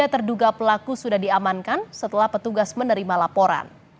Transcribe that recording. tiga terduga pelaku sudah diamankan setelah petugas menerima laporan